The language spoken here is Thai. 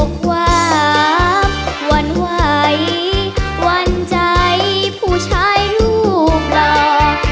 อบวาบวันไหววันใจผู้ชายลูกเรา